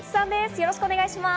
よろしくお願いします。